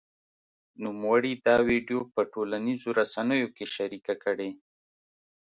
نوموړي دا ویډیو په ټولنیزو رسنیو کې شرېکه کړې